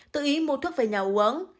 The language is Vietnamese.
tự ý mua thuốc về nhà uống